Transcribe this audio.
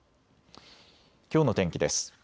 きょうの天気です。